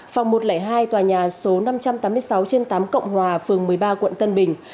phòng một trăm linh hai tòa nhà số năm trăm tám mươi sáu trên tám cộng hòa phường một mươi ba quận tân bình